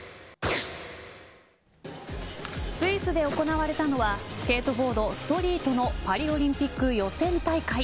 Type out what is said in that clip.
スイスで行われたのはスケートボード、ストリートのパリオリンピック予選大会。